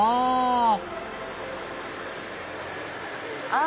あ！